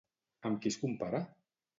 Amb qui es compara?